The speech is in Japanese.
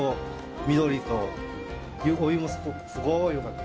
緑と、お湯もすごーいよかった。